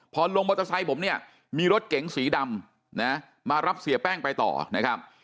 พอลงมอเตอร์ไซค์ผมเนี่ยมีรถเก๋งสีดำนะมารับเสียแป้งไปต่อนะครับ